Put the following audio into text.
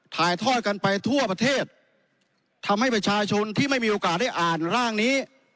ถ่ายทอดกันไปทั่วประเทศทำให้ประชาชนที่ไม่มีโอกาสได้อ่านร่างนี้